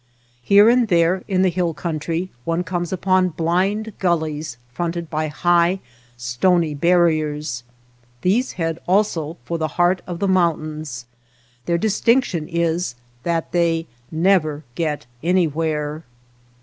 Here and there in the hill country one comes upon blind gullies fronted by high stony barriers. These 183 THE STREETS OF THE MOUNTAINS head also for the heart of the mountains; their distinction is that they never get any where.